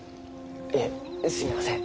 いえすみません。